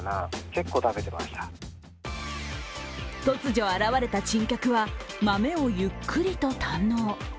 突如、現れた珍客は豆をゆっくりと堪能。